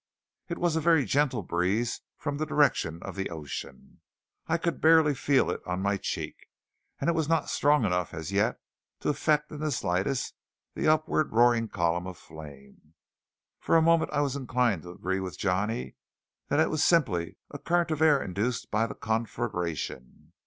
It was a very gentle breeze from the direction of the ocean. I could barely feel it on my cheek, and it was not strong enough as yet to affect in the slightest the upward roaring column of flame. For a moment I was inclined to agree with Johnny that it was simply a current of air induced by the conflagration.